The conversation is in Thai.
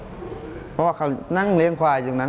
เห็นตลอดครับเพราะว่าเขานั่งเลี้ยงควายอย่างนั้น